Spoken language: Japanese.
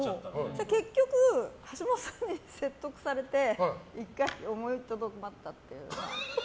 結局、橋下さんに説得されて１回思いとどまったという。